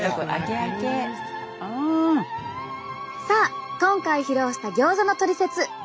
さあ今回披露したギョーザのトリセツ。